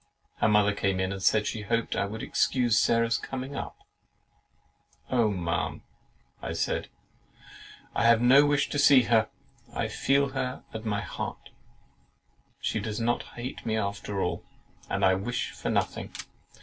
Her mother came in and said, she hoped I should excuse Sarah's coming up. "Oh, Ma'am," I said, "I have no wish to see her; I feel her at my heart; she does not hate me after all, and I wish for nothing.